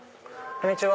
こんにちは。